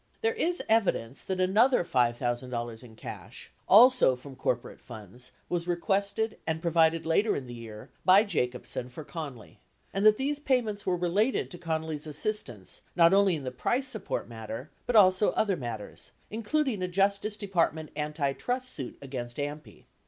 There is evidence that another $5,000 in cash, also from corporate funds, was requested and provided later in the year by Jacobsen for Connally and that these payments were related to Connally's assistance not only in the price support matter, but also other matters, including a Justice Department anti trust suit against AMPI.